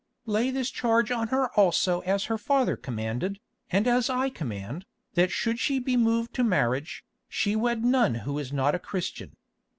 Lay this charge on her also as her father commanded, and as I command, that should she be moved to marriage, she wed none who is not a Christian.